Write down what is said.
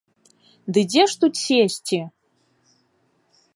Ды дзе ж тут сесці?